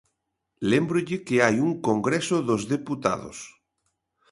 Lémbrolle que hai un Congreso dos Deputados.